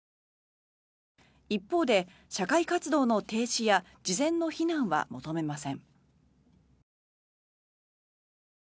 一方で、社会活動の停止や事前の避難は求めません。